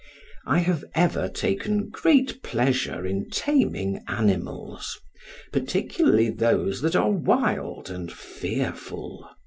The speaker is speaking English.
I have ever taken great pleasure in taming animals, particularly those that are wild and fearful.